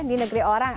di negeri orang